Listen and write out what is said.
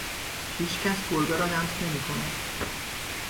هیچ کس گربه را لمس نمی کند.